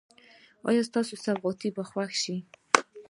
ایا ستاسو سوغات به خوښ شي؟